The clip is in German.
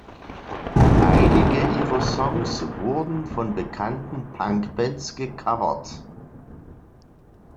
Einige ihrer Songs wurden von bekannten Punkbands gecovert.